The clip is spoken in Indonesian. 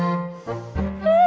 yes dia balik